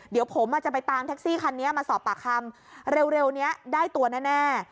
เดี๋ยวผมจะไปตามแท็กซี่คันนี้มาสอบปากคำเร็วนี้ได้ตัวแน่